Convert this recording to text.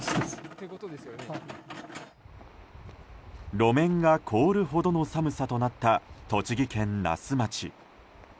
路面が凍るほどの寒さとなった栃木県那須町。